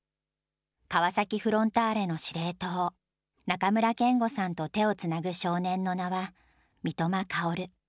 川崎フロンターレの司令塔、中村憲剛さんと手をつなぐ少年の名は、三笘薫。